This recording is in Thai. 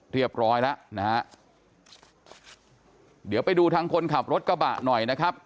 เรียบร้อยแล้วนะฮะเดี๋ยวไปดูทางคนขับรถกระบะหน่อยนะครับ